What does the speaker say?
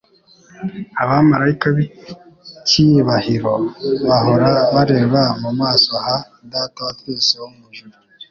Abamaraika b'icyibahiro bahora bareba mu maso ha Data wa twese wo mu ijuru,